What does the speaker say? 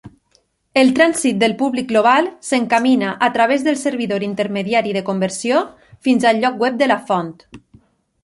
El trànsit del públic global s'encamina a través del servidor intermediari de conversió fins al lloc web de la font.